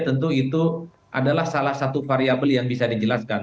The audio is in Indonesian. dikonsumsi yang ada di media tentu itu adalah salah satu variable yang bisa dijelaskan